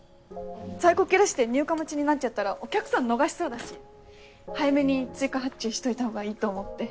在庫切らして入荷待ちになっちゃったらお客さん逃しそうだし早めに追加発注しといた方がいいと思って。